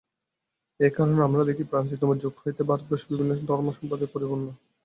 এই কারণে আমরা দেখি, প্রাচীনতম যুগ হইতেই ভারতবর্ষ বিভিন্ন ধর্ম-সম্প্রদায়ে পরিপূর্ণ।